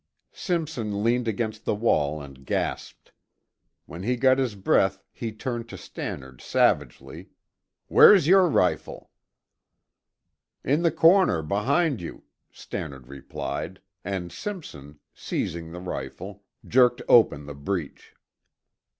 Simpson leaned against the wall and gasped. When he got his breath he turned to Stannard savagely. "Where's your rifle?" "In the corner behind you," Stannard replied, and Simpson, seizing the rifle, jerked open the breech.